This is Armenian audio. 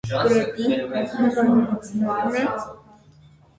Կրետեի հայտնի վայրերից մեկն է։